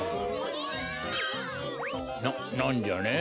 ななんじゃね？